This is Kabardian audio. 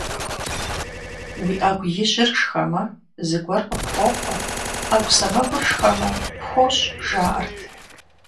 Уи Ӏэгу ижьыр шхэмэ, зыгуэр къыпхохъуэ, ӏэгу сэмэгур шхэмэ - пхощӀ, жаӀэрт.